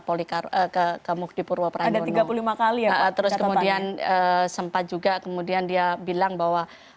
polika ke ke muktipurwaparandono kalau tiga puluh lima kali terus kemudian sempat juga kemudian dia bilang bahwa